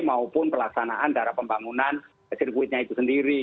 maupun pelaksanaan darah pembangunan sirkuitnya itu sendiri